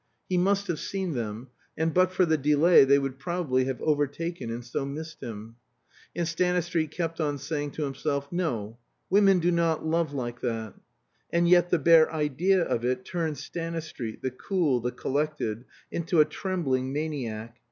He must have seen them; and but for the delay they would probably have overtaken and so missed him. And Stanistreet kept on saying to himself: No. Women do not love like that. And yet the bare idea of it turned Stanistreet, the cool, the collected, into a trembling maniac.